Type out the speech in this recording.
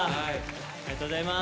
ありがとうございます。